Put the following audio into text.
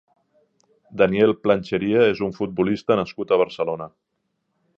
Daniel Planchería és un futbolista nascut a Barcelona.